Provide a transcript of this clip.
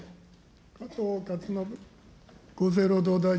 加藤勝信厚生労働大臣。